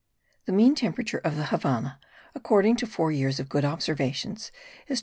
The mean temperature of the Havannah, according to four years of good observations, is 25.